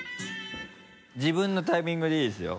自分のタイミングでいいですよ。